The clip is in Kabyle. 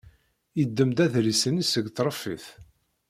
Yeddem-d adlis-nni seg tṛeffit.